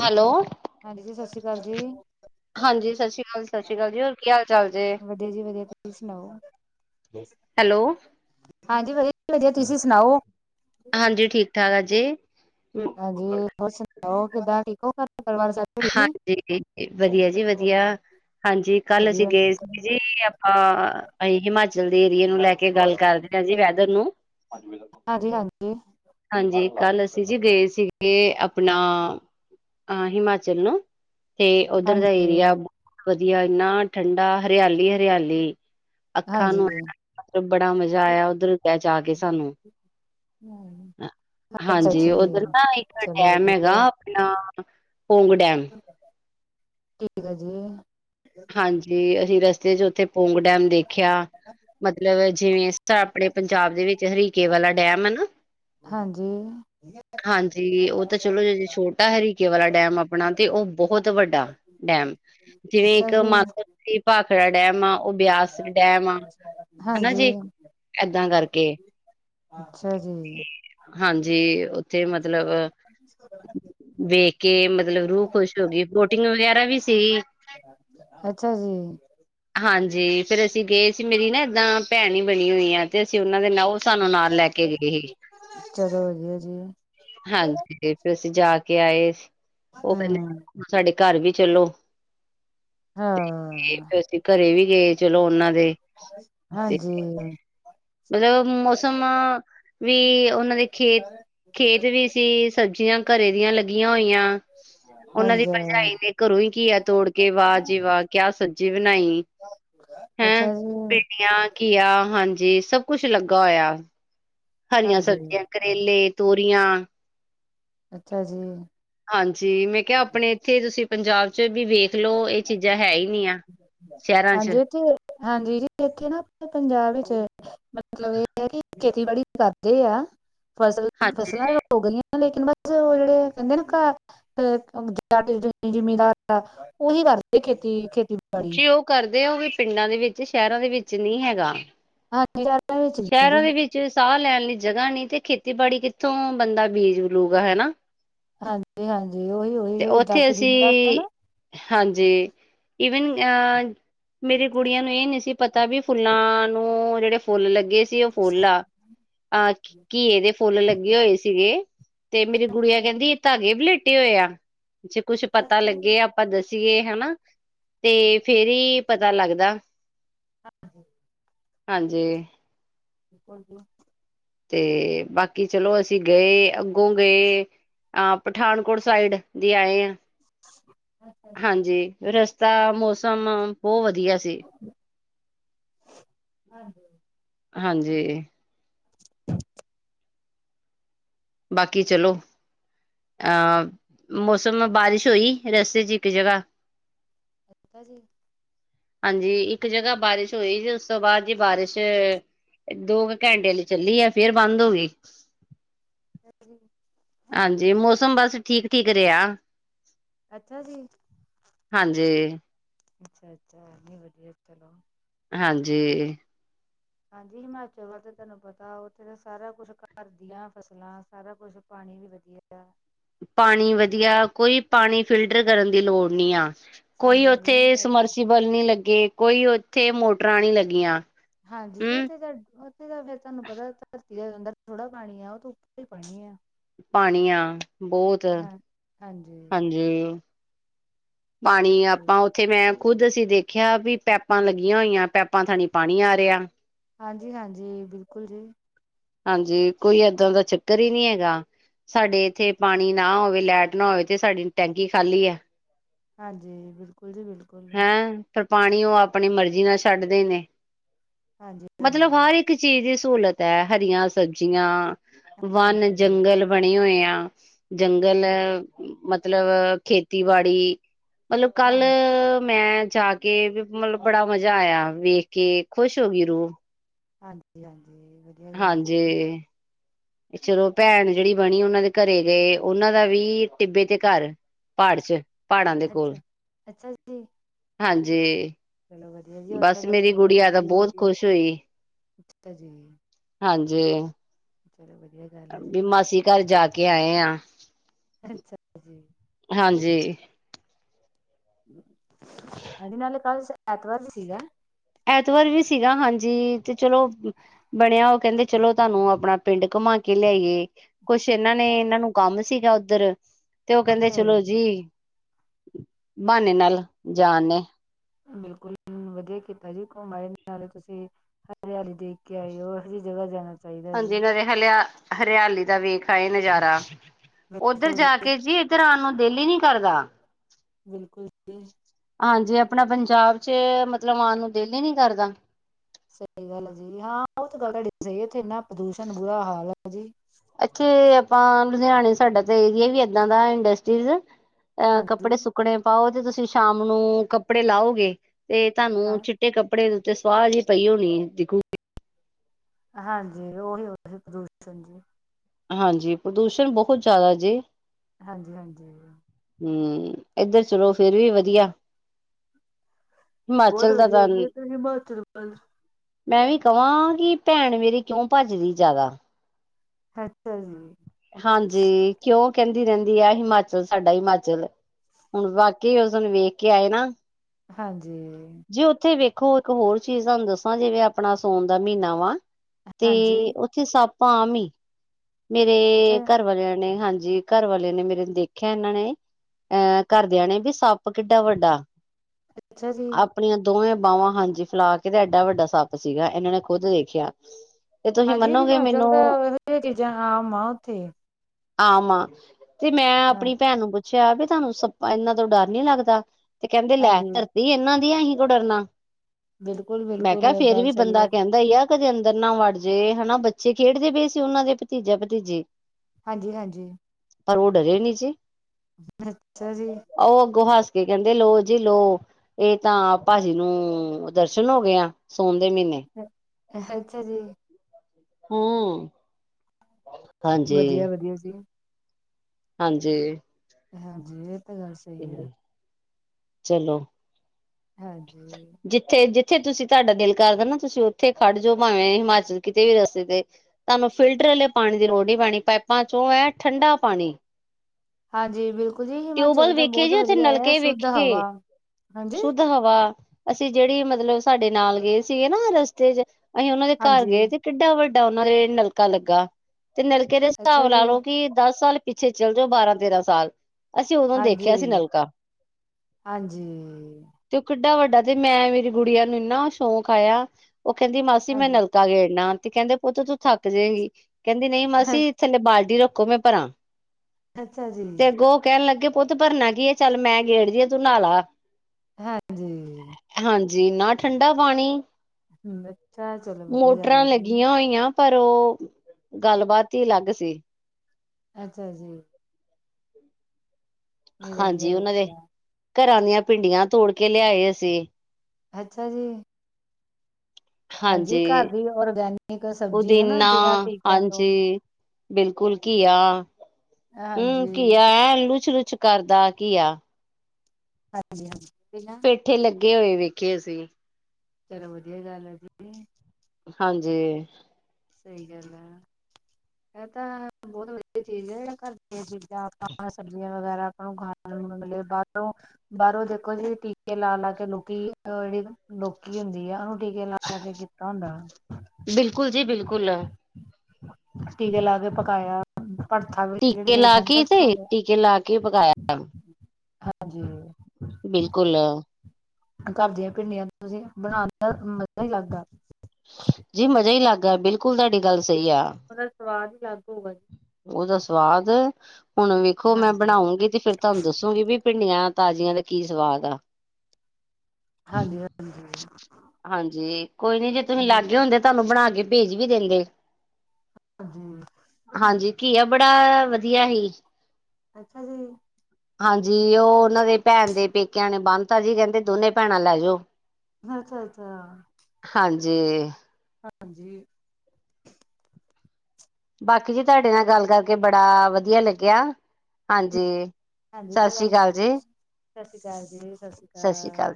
Hello. Hello ਹਾਂਜੀ ਜੀ। ਸਾਸਰੀ ਕਾਲ ਜੀ। ਹਾਂਜੀ ਸਾਸੀ ਕਾਲ -ਸਾਸੀ ਕਾਲ ਜੀ। ਹੋਰ ਕੀ ਹਾਲ- ਚਾਲ ਜੇ? ਵਧੀਆ ਜੀ ਵਧੀਆ। ਤੁਸੀਂ ਸੁਣਾਓ। [inaudible] ਹੈਲੋ ਹਾਂਜੀ। ਵਧੀਆ -ਵਧੀਆ ਤੁਸੀਂ ਸੁਣਾਓ। ਹਾਂਜੀ ਠੀਕ -ਠਾਕ ਆ ਜੀ। ਹਾਂਜੀ ਹੋਰ ਸੁਣਾਓ। ਕਿੱਦਾਂ ਠੀਕ ਓ ਘਰ-ਪਰਿਵਾਰ ਸ ਹਾਂਜੀ। ਵਧੀਆ ਜੀ ਵਧੀਆ। ਹਾਂਜੀ। ਕੱਲ ਅਸੀਂ ਵਧੀਆ ਗਏ ਸੀਗੇ। ਜੀ ਆਪਾਂ-ਅਅ ਅਸੀਂ ਹਿਮਾਚਲ ਦੇ ਏਰੀਏ ਨੂੰ ਲੈ ਕੇ ਗੱਲ ਕਰਦੇ ਹਾਂ ਜੀ ਵੈਦਰ ਨੂੰ [unintelligible] ਹਾਂਜੀ-ਹਾਂਜੀ। ਹਾਂਜੀ। ਕੱਲ੍ਹ ਅਸੀਂ ਜੀ ਗਏ ਸੀਗੇ ਆਪਣਾ-ਅਅ ਅ- ਹਿਮਾਚਲ ਨੂੰ ਤੇ ਓਦਰ ਦਾ ਹਾਂਜੀ ਏਰੀਆ ਬ-ਵਧੀਆ। ਇੰਨਾ ਠੰਢਾ ਹਰਿਆਲੀ-ਹਰਿਆਲੀ। ਅੱਖਾਂ ਹਾਂਜੀ ਨੂੰ ਮਤਲਬ- ਬੜਾ ਮਜ਼ਾ ਆਇਆ। ਉੱਧਰ ਜਾ ਕੇ ਸਾਨੂੰ [unintelligible] ਅੱਛਾ ਹ-ਹਾਂਜੀ। ਜੀ ਉੱਧਰ ਨਾ ਇੱਕ ਚਲੋ ਡੈਮ ਹੈਗਾ ਵਧੀਆ ਆਪਣਾ-ਅ ਅ-ਪੋਂਗ ਡੈਮ ਠੀਕ ਐ ਜੀ। ਹਾਂਜੀ। ਅਸੀਂ ਰਸਤੇ ਚ ਉੱਥੇ ਪੋਂਗ ਡੈਮ ਦੇ ਖਿਆ ਮਤਲਬ ਜਿਵੇਂ- ਆਪਣੇ ਪੰਜਾਬ ਦੇ ਵਿੱਚ ਹਰੀਕੇ ਵਾਲਾ ਡੈਮ ਐ ਨਾ ਹਾਂਜੀ। [inaudible] ਹਾਂਜੀ, ਉਹ ਤਾਂ ਚਲੋ ਅਜੇੇ ਛੋਟਾ ਹਰੀਕੇ ਵਾਲਾ ਡੈਮ ਆਪਣਾ ਤੇ ਉਹ ਬਹੁਤ ਵੱਡਾ ਡੈਮ। ਜਿਵੇਂ ਅੱਛਾ ਇੱਕ ਜੀ ਮੰਨ ਲੋ ਤੁਸੀਂ ਭਾਖੜਾ ਡੈਮ ਉਹ ਬਿਆਸ ਡੈਮ, ਹਨਾ ਹਾਂਜੀ ਜੀ ਏਦਾਂ ਕਰਕੇ। ਅੱਛਾ ਜੀ। ਹਾਂਜੀ, ਉੱਥੇ ਮਤਲਬ ਦੇਖ ਕੇ ਮਤਲਬ ਰੂਹ ਖੁਸ਼ ਹੋ ਗਈ, ਬ੍ਰੋਟਿੰਗ ਵਗੈਰਾ ਵੀ ਸੀ। ਅੱਛਾ ਜੀ। ਹਾਂਜੀ, ਫੇਰ ਅਸੀਂ ਗਏ ਸੀ ਮੇਰੀ ਨਾ ਏਦਾਂ ਭੈਣ ਈ ਬਣੀ ਹੋਈ ਆ ਤੁਸੀਂ ਮਿਲਨ ਨਾਉ ਸਾਨੂੰ ਨਾਲ ਲੈ ਕੇ ਗਈ। ਚਲੋ ਵਧੀਆ ਜੀ ਹਾਂਜੀ, ਫਿਰ ਅਸੀਂ ਜਾ ਕੇ ਆਏ, ਉਹ ਹਮ ਕਹਿੰਦੀ ਸਾਡੇ ਘਰ ਵੀ ਚੱਲੋ। ਤੇ ਹਾਂ ਫਿਰ ਅਸੀਂ ਘਰੇ ਵੀ ਗਏ ਚਲੋ ਉਹਨਾਂ ਦੇ ਤੇ ਹੂੰ ਮਤਲਬ- ਮੌਸਮ ਵੀ ਉਹਨਾਂ ਦੇ ਖੇਤ ਖੇਤ ਵੀ ਸੀ ਸਬਜ਼ੀਆਂ ਘਰੇ ਵੀਆ ਲੱਗੀਆਂ ਹੋਈਆਂ। ਉਹਨਾਂ ਦੀ ਹਾਂਜੀ ਭਰਜਾਈ ਨੇ ਘਰੋਂ ਈ ਘੀਆ ਤੋੜ ਕੇ ਵਾਹ ਜੀ ਵਾਹ ਕਿਆ ਸਬਜ਼ੀ ਬਣਾਈ। ਹੈਂ ਅੱਛਾ ਜੀ। ਭਿੰਡੀਆਂ ਘੀਆ ਹਾਂਜੀ ਸਭ ਕੁਛ ਲੱਗਾ ਹੋਇਆ। ਹਰੀਆਂ ਹਾਂਜੀ। ਸਬਜ਼ੀਆਂ ਕਰੇਲੇ, ਤੋਰੀਆਂ ਅੱਛਾ ਜੀ। ਹਾਂਜੀ ਮੈਂ ਕਿਹਾ ਆਪਣੇ ਇੱਥੇ ਤੁਸੀਂ ਪੰਜਾਬ ਚ ਵੀ ਵੇਖ ਦੇਖ ਲੋ ਇਹ ਚੀਜ਼ਾਂ ਹੈ ਹੀ ਨੀ ਆ। ਸ਼ਹਿਰਾਂ ਚ ਹਾਂਜੀ ਇੱਥੇ ਹਾਂਜੀ, ਦੀ ਇਥੇ ਨਾ ਆਪਣੇ ਪੰਜਾਬ ਵਿੱਚ ਮਤਲਬ ਇਹ ਹੈ ਕਿ ਖੇਤੀਬਾੜੀ ਕਰਦੇ ਆ ਹਾਂਜੀ ਫਸਲ-ਫਸਲਾਂ ਹੋ ਗਈਆਂ ਲੇਕਿਨ ਜਿਹੜੇ ਕਹਿੰਦੇ ਨਾ ਘਰ ਤੇ [unintelligible] ਜੱਟ ਜਿੰਮੀਦਾਰ ਆ। ਉਹੀ ਕਰਦੇ ਆ ਖੇਤੀ ਈ ਖੇਤੀ ਜੀ ਉਹ ਕਰਦੇ ਆ ਉਹ ਵੀ ਪਿੰਡਾਂ ਦੇ ਵਿੱਚ ਸ਼ਹਿਰਾਂ ਦੇ ਵਿੱਚ ਨਈ ਹੈਗਾ। ਹਾਂ [unintelligible] ਸ਼ਹਿਰਾਂ ਦੇ ਵਿੱਚ ਸਾਹ ਲੈਣ ਲਈ ਨੀ ਜਗਾ ਨੀ ਤੇ ਖੇਤੀਬਾੜੀ ਕਿੱਥੋਂ ਬੰਦਾ ਬੀਜ ਲੂਗਾ ਹਨਾ। ਹਾਂਜੀ ਹਨ। ਉਹੀ ਉਹੀ ਤੇ ਜਿਹੜੇ ਉੱਥੇ ਜੱਟ ਜਿਮੀਦਾਰ ਆ ਅਸੀਂ ਨਾ ਹਾਂਜੀ ਈਵਨ ਅਹ ਮੇਰੇ ਗੁੜੀਆਂ ਨੂੰ ਇਹ ਨਹੀਂ ਸੀ ਪਤਾ ਵੀ ਫੁੱਲਾਂ ਨੂੰ ਜਿਹੜੇ ਫੁੱਲ ਲੱਗੇ ਸੀ ਉਹ ਫੁੱਲ ਆ ਆਹ ਘੀਏ ਦੇ ਫੁੱਲ ਲੱਗੇ ਹੋਏ ਸੀਗੇ। ਤੇ ਮੇਰੀ ਗੁੜੀਆਂ ਕਹਿੰਦੀ ਇਹ ਧਾਗੇ ਵੇਲਟੇ ਹੋਏ ਆ ਜੇ ਕੁੱਛ ਪਤਾ ਅੱਛਾ ਜੀ ਲੱਗੇ ਆ ਆਪਾਂ ਦੱਸ ਸੀ ਏ ਹਨਾ ਤੇ ਫੇਰ ਈ ਪਤਾ ਲੱਗਦਾ। ਆਹੋ। ਹਾਂਜੀ। [unintelligible] ਤੇ ਬਾਕੀ ਚਲੋ ਅਸੀਂ ਗਏ ਅੱਗੋਂ ਗਏ। ਆ ਪਠਾਨਕੋਟ ਸਾਈਡ ਜੇ ਆਏ ਆ, ਹਾਂਜੀ ਰਸਤੇ ਤਾਂ ਮੌਸਮ ਬਹੁ ਵਧੀਆ ਸੀ। ਹਾਂਜੀ। ਹਾਂਜੀ। ਬਾਕੀ ਚਲੋ ਅ ਮੌਸਮ ਬਾਰਿਸ਼ ਹੋਈ ਰਸਤੇ ਚ ਇੱਕ ਜਗ੍ਹਾ [unintelligible] ਜੀ। ਹਾਂਜੀ, ਇੱਕ ਜਗ੍ਹਾ ਬਾਰਿਸ਼ ਹੋਈ ਉਸ ਤੋਂ ਬਾਅਦ ਜੀ ਬਾਰਿਸ਼ ਦੋ ਕੁ ਕੰਟਿਆ ਲਈ ਚੱਲੀ ਆ ਫੇਰ ਬੰਦ ਹੋ ਗਈ। [unintelligible] ਹਾਂਜੀ, ਮੌਸਮ ਬਸ ਠੀਕ ਠੀਕ ਰਿਹਾ। ਅੱਛਾ ਜੀ, ਹਾਂਜੀ ਅੱਛਾ-ਅੱਛਾ, ਨਹੀ ਵਧੀਆ ਚਲੋ। ਹਾਂਜੀ। ਹਾਂਜੀ, ਹਿਮਾਚਲ ਦਾ ਤੇ ਤੁਹਾਨੂੰ ਪਤਾ ਉੱਥੇ ਤਾਂ ਸਾਰਾ ਕੁਛ ਕਰ ਦੀਆਂ ਫਸਲਾਂ, ਸਾਰਾ ਕੁਛ ਪਾਣੀ ਵੀ ਵਧੀਆ। ਪਾਣੀ ਵਧੀਆ ਕੋਈ ਪਾਣੀ ਫਿਲਟਰ ਕਰਨ ਦੀ ਲੋੜ ਨਹੀਂ ਆ। ਕੋਈ ਹਾਂਜੀ-ਹਾਂਜੀ ਉੱਥੇ ਹਿਮਾਚਲ ਸਮਰਸੀਬਲ ਨੀ ਲੱਗੇ ਕੋਈ ਉੱਥੇ ਮੋਟਰਾਂ ਨੀ ਲੱਗੀਆਂ। ਹਾਂਜੀ ਜੀ ਹਮ ਉੱਥੇ ਚ ਤਾਂ ਫੇਰ ਤੁਹਾਨੂੰ ਪਤਾ ਧਰਤੀ ਦੇ ਅੰਦਰ ਥੋੜਾ ਪਾਣੀ ਆ ਉਹ ਉੱਪਰ ਹੀ ਪਾਣੀ ਆ। ਪਾਣੀ ਆ ਬਹੁਤ ਹਾਂਜੀ। ਪਾਣੀ ਆਪਾ ਉ ਉੱਥੇ ਮੈਂ ਖੁਦ ਅਸੀਂ ਦੇਖਿਆ ਵੀ ਪੈਪਾਂ ਲੱਗੀਆਂ ਹੋਈਆਂ ਪੈਪਾਂ ਥਾਣੀ ਪਾਣੀ ਆ ਰਿਹਾ। ਹਾਂਜੀ-ਹਾਂਜੀ, ਬਿਲਕੁਲ ਜੀ। ਹਾਂਜੀ, ਕੋਈ ਏਦਾਂ ਦਾ ਚੱਕਰ ਹੀ ਨੀ ਹੈਗਾ ਸਾਡੇ ਇੱਥੇ ਪਾਣੀ ਨਾ ਹੋਵੇ ਲੈਟ ਨਾ ਹੋਵੇ ਤੇੇ ਸਾਡੀ ਟੈਂਕੀ ਖਾਲੀ ਐ। ਹਾਂਜੀ, ਬਿਲਕੁਲ ਜੀ ਬਿਲਕੁਲ। ਹੈਂ, ਫੇਰ ਪਾਣੀ ਉਹ ਆਪਣੀ ਮਰਜ਼ੀ ਨਾਲ ਛੱਡਦੇ ਨੇ ਮਤਲਬ ਹਾਂਜੀ-ਹਾਂਜੀ, ਹਰ ਇੱਕ ਚੀਜ਼ ਦੀ ਸਹੂਲਤ ਐ, ਹਰੀਆਂ ਸਬਜ਼ੀਆਂ, ਵੰਨ, ਹਾਂਜੀ। ਜੰਗਲ ਬਣੇ ਹੋਏ ਆ ਜੰਗਲ ਹਾਂਜੀ, ਐ, ਮਤਲਬ ਖੇਤੀਬਾੜੀ। ਮਤਲਬ ਕੱਲ ਮੈਂ ਜਾ ਕੇ ਵੀ ਮਤਲਬ ਬੜਾ ਮਜ਼ਾ ਆਇਆ ਵੇਖ ਕੇ ਖੁਸ਼ ਹੋ ਗਈ ਰੂਹ। ਹਾਂਜੀ-ਹਾਂਜੀ। ਵਧੀਆ ਗੱਲ ਹੈ ਹਾਂਜੀ। ਜੀ ਚਲੋ ਪੈਣ ਜਿਹੜੀ ਬਣੀ ਉਹਨਾਂ ਦੇ ਕਰੇ ਗਏ ਉਹਨਾਂ ਦਾ ਵੀ ਟਿੱਬੇ ਤੇ ਕਰ ਪਹਾੜ ਚ, ਪਹਾੜਾਂ ਦੇ ਕੋਲ, ਅੱਛਾ, ਅੱਛਾ ਜੀ। ਹਾਂਜੀ। ਚਲੋ ਵਧਆ ਜੀ, ਉਥੋਂ ਬਸ ਦਾ ਤਾਂ ਮੇਰੀ ਗੁੜੀਆ ਫੇਰ ਤਾਂ ਵਿਊ ਬਹੁਤ ਵਧੀਆ, ਖੁਸ਼ ਹੋਈ ਅੱਛਾ ਜੀ। ਹਾਂਜੀ, ਚਲੋ ਵਧੀਆ ਗੱਲ ਆ ਵੀ ਜੀ ਮਾਸੀ ਕਰ ਜਾ ਕੇ ਆਏ ਹਾਂ। ਅੱਛਾ। ਜੀ। ਹਾਂਜੀ। ਹਾਂਜੀ ਨਾਲੇ ਕੱਲ ਐਤਵਾਰ ਵੀ ਸੀਗਾ। ਐਤਵਾਰ ਵੀ ਸੀਗਾ ਹਾਂਜੀ, ਤੇ ਚਲੋ ਬਣਿਆ ਉਹ ਕਹਿੰਦੇ ਚਲੋ ਤੁਹਾਨੂੰ ਆਪਣਾ ਪਿੰਡ ਘੁਮਾ ਕੇ ਲਿਆਈਏ ਕੁਛ ਇਹਨਾਂ ਨੇ ਇਹਨਾਂ ਨੂੰ ਕੰਮ ਸੀਗਾ ਉਧਰ ਤੇ ਉਹ ਕਹਿੰਦੇ ਓਕੇ ਚਲੋ ਜੀ। ਬਹਾਨੇ ਨਾਲ ਜਾ ਆਨੇ। ਬਿਲਕੁਲ ਵਧੀਆ ਕੀਤਾ ਜੀ ਘੁੰਮ ਆਏ ਨਾਲ਼ੇ ਤੁਸੀਂ ਹਰਿਆਲੀ ਦੇ ਕੇ ਆਈ ਉਹੀ ਜਗ੍ਹਾ ਜਾਣਾ ਚਾਹੀਦਾ ਜੀ। ਹਲੇ ਆ ਹਰਿਆਲੀ ਦਾ ਵੇਖ ਆ ਇਹ ਨਜ਼ਾਰਾ ਉੱਧਰ ਜਾ ਕੇ ਜੀ ਇਧਰ ਆਣ ਨੂੰ ਦਿਲ ਹੀ ਨੀ ਕਰਦਾ ਬਿਲਕੁਲ ਜੀ ਹਾਂਜੀ ਆਪਣਾ ਪੰਜ ਪੰਜਾਬ 'ਚ ਮਤਲਬ ਆਉਣ ਨੂੰ ਦਿਲ ਹੀ ਨੀ ਕਰਦਾ। ਸਹੀ ਗੱਲ ਜੀ ਹਾਂ ਉਹ ਗੱਲ ਤੁਹਾਡੀ ਸਹੀ ਇੱਥੇ ਇਨਾ ਪ੍ਰਦੂਸ਼ਣ ਬੁਰਾ ਹਾਲ ਆ ਜੀ। ਅੱਥੇ ਆਪਾਂ ਲੁਧਿਆਣੇ ਸਾਡਾ ਤਾਂ ਵੀ ਇਦਾਂ ਦਾ ਇੰਡਸਟਰੀਜ਼ ਅਹ ਹਾਂਜੀ ਕੱਪੜੇ ਸੁੱਕਣੇ ਪਾਓ ਤੇ ਤੁਸੀਂ ਸ਼ਾਮ ਨੂੰ ਕੱਪੜੇ ਲਾਓਗੇ ਤੇ ਤੁਹਾਨੂੰ 'ਚ ਹਾਂ ਚਿੱਟੇ ਕੱਪੜੇ ਦੇ ਉੱਤੇ ਸਵਾਦ ਹੀ ਪਈ ਹੋਣੀ ਦੇਖੋ। ਹਾਂਜੀ, ਉਹੀ-ਉਹੀ ਪ੍ਰਦੂਸ਼ਣ ਜੀ। ਹਾਂਜੀ, ਪ੍ਰਦੂਸ਼ਣ ਬਹੁਤ ਜ਼ਿਆਦਾ ਜੇ। ਹਾਂਜੀ-ਹਾਂਜੀ। ਹੂੰ, ਇੱਧਰ ਚਲੋ ਫਿਰ ਵੀ ਵਧੀਆ। ਬਹੁਤ ਹਿਮਾਚਲ ਦਾ ਵਧੀਆ ਤਾਂ ਜੀ ਉਧਰ ਹਿਮਾਚਲ ਵੱਲ। ਮੈਂ ਵੀ ਕਵਾਂ ਕਿ ਭੈਣ ਮੇਰੀ ਕਿਉਂ ਭੱਜ ਰਹੀ ਜਿਆਦਾ। ਅੱਛਾ ਜੀ। ਹਾਂਜੀ, ਕਿਉਂ ਕਹਿੰਦੀ ਰਹਿੰਦੀ ਆ ਹਿਮਾਚਲ ਸਾਡਾ ਹਿਮਾਚਲ ਹੁਣ ਬਾਕ ਕੀ ਉਸ ਦਿਨ ਵੇਖ ਕੇ ਆਏ ਨਾ। ਹਾਂਜੀ। ਜੇ ਉੱਥੇ ਵੇਖੋ ਇੱਕ ਹੋਰ ਚੀਜ਼ ਤੁਹਾਨੂੰ ਦੱਸਾਂ ਜਿਵੇਂ ਆਪਣਾ ਸੋਨ ਦਾ ਮਹੀਨਾ ਵਾ 'ਤੇ ਹਾਂਜੀ ਉੱਥੇ ਸੱਪ ਆਮ ਹੀ ਮੇਰੇ ਅੱਛਾ, ਘਰ ਵਾਲਿਆਂ ਨੇ ਹਾਂਜੀ ਘਰ ਵਾਲੇ ਨੇ ਮੇਰੇ ਦੇਖਿਆ ਇਹਨਾਂ ਨੇ ਅਹ ਘਰਦਿਆਂ ਨੇ ਵੀ ਸੱਪ ਕਿੱਡਾ ਵੱਡਾ। ਅੱਛਾ ਜੀ। ਆਪਣੀਆਂ ਦੋਵੇਂ ਬਾਵਾਂ ਹਾਂਜੀ ਫੈਲਾ ਕੇ ਤੇ ਐਡਾ ਵੱਡਾ ਸੱਪ ਸੀਗਾ ਇਹਨਾਂ ਨੇ ਖੁੱਦ ਦੇਖਿਆ। ਤੇ ਤੁਸੀਂ ਹਾਂਜੀ ਜੀ ਮੰਨੋਗੇ ਹਿਮਾਚਲ ਮੈਨੂੰ ਤਾਂ ਇਹੋ ਜਿਹੀਆਂ ਚੀਜ਼ਾਂ ਆਮ ਆ ਉੱਥੇ। ਆਮ ਆ ਤੇ ਮੈਂ ਹਾਂ ਆਪਣੀ ਭੈਣ ਨੂੰ ਪੁੱਛਿਆ ਵੀ ਤੁਹਾਨੂੰ ਸੱਪਾ ਇਹਨਾਂ ਤੋਂ ਡਰ ਨੀ ਲੱਗਦਾ 'ਤੇ ਕਹਿੰਦੀ ਲੈ ਹਾਂਜੀ। ਧਰਤੀ ਇਹਨਾਂ ਦੀ ਐ ਅਹੀ ਕਿਉਂ ਡਰਨਾ। ਬਿਲਕੁਲ, ਮੈਂ ਬਿਲਕੁਲ ਕਿਹਾ ਫਿਰ ਗੱਲ ਵੀ ਸਹੀ ਬੰਦਾ ਹੈ ਕਹਿੰਦਾ ਈ ਆ ਕਦੇ ਅੰਦਰ ਨਾ ਵੜ ਜੇ ਹਨਾ ਬੱਚੇ ਖੇਡਦੇ ਪਏ ਸੀ ਉਹਨਾਂ ਦੇ ਭਤੀਜੇ ਭਤੀਜੇ ਹਾਂਜੀ -ਹਾਂਜੀ ਪਰ ਉਹ ਡਰੇ ਨੀ ਸੀ। ਅੱਛਾ ਜੀ ਉਹ ਅੱਗੋਂ ਹੱਸ ਕੇ ਕਹਿੰਦੇ ਲੋ ਜੀ ਲੋ। ਇਹ ਤਾਂ ਭਾਜੀ ਨੂੰ ਦਰਸ਼ਨ ਹੋ ਗਏ ਆ ਸਾਉਣ ਦੇ ਮਹੀਨੇ। ਅੱਛਾ ਜੀ ਹੂੰ,,, ਹਨ ਵਧੀਆ-ਵਧੀਆ ਜੀ ਹਾਂਜੀ ਹਾਂਜੀ ਇਹ ਤਾਂ ਗੱਲ ਸਹੀ ਆ ਚਲੋ ਹਾਂਜੀ ਜਿੱਥੇ, ਜਿੱਥੇ ਤੁਸੀਂ ਤੁਹਾਡਾ ਦਿਲ ਕਰਦਾ ਨਾ ਤੁਸੀਂ ਉੱਥੇ ਹੀ ਖੜ ਜੋ ਭਾਵੇ ਹਿਮਾਚਲ ਕਿਤੇ ਵੀ ਰਸਤੇ ਤੇ। ਤੁਹਾਨੂੰ ਫਿਲਟਰ ਵਾਲੇ ਪਾਣੀ ਦੀ ਲੋੋੜ ਏ, ਪਾਣੀ ਪਾਈਪਾਂ ਚੋਂ ਐ ਠੰਡਾ ਪਾਣੀ। ਹਾਂਜੀ ਬਿਲਕੁਲ ਜੀ ਟਿਊਬਵੈਲ ਹਿਮਾਚਲ ਤਾਂ ਵੇਖੇ ਬਹੁਤ ਜੀ ਉੱਥੇ ਵਧੀਆ ਆ ਨਲਕੇ ਸ਼ੁੱਧ ਵੇਖੇ ਹਵਾ ਹਾਂਜੀ ਸ਼ੁੱਧ ਹਵਾ ਅਸੀਂ ਜਿਹੜੀ ਮਤਲਬ ਸਾਡੇ ਨਾਲ ਗਏ ਸੀਗੇ ਨਾ ਰਸਤੇ 'ਚ ਅਸੀਂ ਉਹਨਾਂ ਦੇ ਘਰ ਹਾਂਜੀ। ਗਏ ਤੇ ਕਿੱਡਾ ਵੱਡਾ ਉਹਨਾਂ ਦੇ ਨਲਕਾ ਲੱਗਾ। ਤੇ ਨਲਕੇ ਦੇ ਅੱਛਾ ਹਿਸਾਬ ਜੀ ਲਾ ਲਓ ਕੀ, ਦਸ ਸਾਲ ਪਿੱਛੇ ਚਲੇ ਜਾਓ ਬਾਰਾਂ- ਤੇਰਾਂ ਸਾਲ। [inaudible] ਹਾਂਜੀ ਦੇਖਿਆ ਸੀ ਨਲਕਾ [inaudible] ਹਾਂਜੀ। ਤੇ ਉਹ ਕਿੱਡਾ ਵੱਡਾ ਤੇ ਮੈਂ ਮੇਰੀ ਗੁੜੀਆਂ ਨੂੰ ਇੰਨਾ ਸ਼ੌਕ ਆਇਆ, [inaudible] ਉਹ ਕਹਿੰਦੀ ਮਾਸੀ ਮੈਂ ਹਾਂਜੀ ਨਲ ਕਾ ਗੇੜਨਾ ਤੇ ਕਹਿੰਦੇ ਪੁੱਤ ਤੂੰ ਥੱਕ ਜੇਗੀ, ਕਹਿੰਦੀ ਨਹੀਂ ਮਾਸੀ ਥੱਲੇ ਬਾਲਟੀ ਰੱਖੋ ਮੈਂ ਭਰਾ ਅੱਛਾ ਜੀ [inaudible] ਤੇ ਅੱਗੋਂ ਕਹਿਣ ਲੱਗੇ ਪੁੱਤ ਭਰਨਾ ਕੀ ਹੈ ਚੱਲ ਮੈਂ ਗੇੜ੍ਹਦੀ ਆ, ਤੂੰ ਨਾਹ ਲਾ। [unintelligible] ਹਾਂਜੀ। ਹਾਂਜੀ, ਇੰਨ ਠੰਡਾ ਪਾਣੀ ਹੂੰ, ਅੱਛਾ ਚਲੋ [inaudible] ਵਧੀਆ ਗੱਲ ਮੋਟਰਾਂ ਆ ਜੀ, ਲੱਗੀਆਂ ਹੋਈਆਂ। ਪਰ ਉਹ [inaudible] ਗੱਲਬਾਤ ਹੀ ਅਲੱਗ ਸੀ। ਅੱਛਾ ਜੀ। ਨਹੀਂ ਹਾਂਜੀ ਉਹਨਾਂ ਦੇ ਵਧੀਆ-ਵਧੀਆ। [inaudible] ਘਰਾਂ ਦੀਆਂ ਭਿੰਡੀਆਂ ਤੋੜ ਕੇ ਲਿਆਏ ਅਸੀਂ। ਅੱਛਾ ਜੀ। ਹਾਂਜੀ ਘਰ ਦੀ ਔਰਗੈਨਿਕ [inaudible] ਸਬਜ਼ੀ ਹਨਾ ਪੁਦੀਨਾ ਬਿਨਾਂ ਟੀਕਿਆਂ ਤੋਂ। ਹਾਂਜੀ। [inaudible] ਬਿਲਕੁਲ ਘਿਆ [inaudible] ਹੂ ਹਾਂਜੀ, ਘਿਆ ਐ ਲੁਚ- ਲੁਚ ਕਰਦਾ ਕੀ ਆ। ਹਾਂਜੀ, ਹਾਂਜੀ [inaudible] ਪਹਿਲਾਂ ਉਥੇ ਲੱਗੇ ਹੋਏ ਵੇਖੇ ਅਸੀਂ। ਚਲੋ ਵਧੀਆ ਗੱਲ ਆ [unintelligible] ਜੀ। ਹਾਂਜੀ। [inaudible] ਸਹੀ ਗੱਲ ਆ। [inaudible] ਇਹ ਤਾ ਹੈ ਬਹੁਤ ਵਧੀਆ ਚੀਜ਼ ਹੈ, ਘਰ ਦੀ ਚੀਜਾਂ ਆਪਾਂ ਨੂੰ ਸਬਜ਼ੀਆਂ ਨੂੰ ਵਗੈਰਾ ਆਪਾਂ ਨੂੰ ਖਾਣ ਯਮੁਨਾ ਨਗਰ ਕਾ ਤੋਂ ਬਾਹਰੋਂ ਦੇਖੋ ਜੀ ਜਿਹੜੀ ਟੀਕੇ ਲਾ-ਲਾ ਕੇ ਲੋਕੀ [unintelligible] ਜਿਹੜੀ ਲੋਂਕੀ ਹੁੰਦੀ ਆ ਟੀਕੇ ਲਾ-ਲਾ ਕੇ ਕੀਤਾ ਹੁੰਦਾ [unintelligible] ਬਿਲਕੁਲ ਜੀ ਬਿਲਕੁਲ। [unintelligible] ਟੀਕੇ ਲਾ ਕੇ ਪਕਾਇਆ [unintelligible] ਭਰਥਾ ਵੀ ਜਿਹੜੇ- ਟੀਕੇ ਜਿਹੜੇ ਲਾ ਕੇ ਬੈਂਗਣ ਤੋ ਤੇ ਟੀਕੇ ਲਾ ਕੇ ਪਕਾਇਆ ਹੋਇਆ [inaudible] ਹਾਂਜੀ। ਬਿਲਕੁਲ। ਘਰ ਦੀਆਂ ਭਿੰਡੀਆਂ ਤੁਸੀਂ ਬਣਾਣ ਦਾ ਮਜ਼ਾ ਈ ਅਲੱਗ ਆ। ਜੀ ਮਜਾ ਈ ਲੱਗ ਗਿਆ, ਬਿਲਕੁਲ ਤੁਆਡੀ ਗੱਲ ਸਹੀ ਆ। ਉਦਾ ਸਵਾਦ ਈ ਅਲੱਗ ਹੋਊਗਾ ਜੀ। ਉਦਾ ਸਵਾਦ, ਹੁਣ ਵੇਖੋ ਮੈਂ ਹਾਂਜੀ। ਬਣਾਊਗੀ ਤੇ ਫੇਰ ਤੁਹਾਨੂੰ ਦੱਸੋ ਦੱਸੋਂਗੀ ਵੀ ਭਿੰਡੀਆਂ ਤਾਜ਼ੀਆਂ ਦਾ ਕੀ ਸਵਾਦ ਆ। ਹਾਂਜੀ-ਹਾਂਜੀ। ਹਾਂਜੀ, ਕੋਈ ਨੀ ਜੇ ਤੁਸੀਂ ਲਾਗੇ ਹੁੰਦੇ ਤੁਹਾਨੂੰ ਬਣਾ ਕੇ ਭੇਜ ਵੀ ਦਿੰਦੇ। ਹਾਂਜੀ। ਹਾਂਜੀ ਘੀਆ ਬੜਾ ਵਧੀਆ ਹੀ? ਅੱਛਾ ਜੀ। [inaudible] ਹਾਂਜੀ, ਉਹ ਉਨਾਂ ਦੇ ਭੈਣ ਦੇ ਪੇਕਿਆਂ ਨੇ ਬੰਤਾ ਜੀ ਕਹਿੰਦੇ ਦੋਨੇ ਭੈਣਾਂ ਲੈ ਜੋ। ਅੱਛਾ, ਅੱਛਾ। ਹਾਂਜੀ। ਹਾਂਜੀ। ਬਾਕੀ ਜੀ ਤੁਆਡੇ ਨਾਲ ਗੱਲ ਕਰਕੇ ਬੜਾ ਵਧੀਆ ਲੱਗਿਆ ਹਾਂਜੀ। ਹਾਂਜੀ ਸਤਿ ਕੋਈ ਸ੍ਰੀ ਗੱਲ ਨੀ ਅਕਾਲ ਜੀ ਦੀਦੀ, ਸਤਿ ਸ੍ਰੀ ਅਕਾਲ ਜੀ ਸਤਿ ਸ੍ਰੀ ਅਕਾਲ।